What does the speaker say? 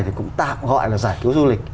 thì cũng tạm gọi là giải cứu du lịch